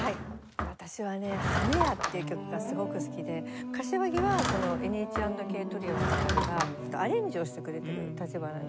私はね『羽根屋』っていう曲がすごく好きで柏木はこのＮＨ＆ＫＴＲＩＯの中ではアレンジをしてくれてる立場なんですよね。